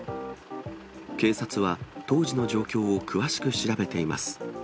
警察は当時の状況を詳しく調べています。